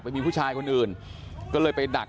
แม่ขี้หมาเนี่ยเธอดีเนี่ยเธอดีเนี่ยเธอดีเนี่ย